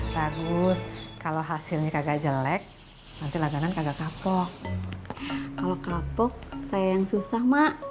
bagus kalau hasilnya agak jelek nanti latanan kagak kapok kalau kapok saya yang susah mak